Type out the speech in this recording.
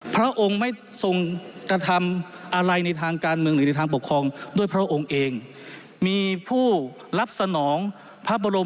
ประการแรกนะครับ